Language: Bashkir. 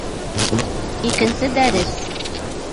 Икенсе дәрес